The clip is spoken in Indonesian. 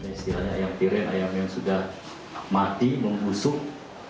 ini istilahnya ayam tiren ayam yang sudah mati mengusung